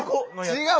違う！